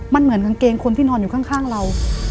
มันเหมือนกางเกงคนที่นอนอยู่ข้างเรา